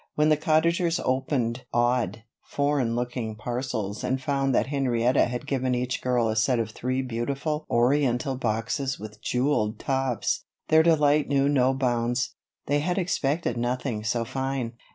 When the Cottagers opened odd, foreign looking parcels and found that Henrietta had given each girl a set of three beautiful Oriental boxes with jewelled tops, their delight knew no bounds. They had expected nothing so fine.